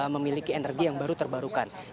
memiliki energi yang baru terbarukan